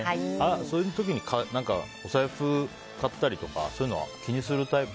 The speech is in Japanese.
そういう時にお財布買ったりとかそういうのは気にするタイプ？